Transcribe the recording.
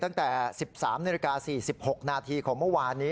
ตั้งแต่๑๓นาฬิกา๔๖นาทีของเมื่อวานนี้